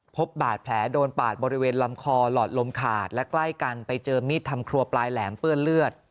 พบบาดแผลโดนปาดบริเวณลำคอหลอดลมขาดและใกล้กันไปเจอมีดทำครัวปลายแหลมเปื้อนเลือด